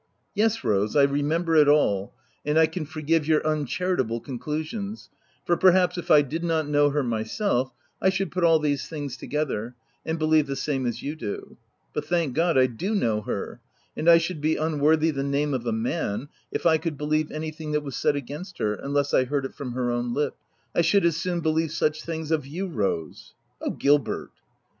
''" Yes Rose, I remember it all ; and I can forgive your uncharitable conclusions ; for per haps, if I did not know her myself, I should put all these things together, and believe the same as you do ; but thank God, I do know her ; and I should be unworthy the name of a man, if I could believe anything that was said against her, unless I heard it from her ow r n lips. — I should as soon believe such things of you Rose." " Oh, Gilbert